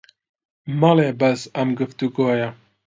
مەڵێ بەس ئەم گوفتوگۆیە